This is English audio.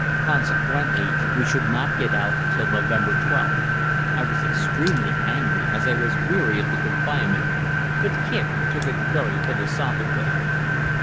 Consequently, we should not get out till November 12th. I was extremely angry, as I was weary of the confinement, but Kicq took it very philosophically.